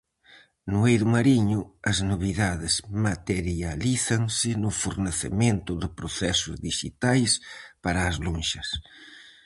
No eido mariño, as novidades materialízanse no fornecemento de procesos dixitais para as lonxas.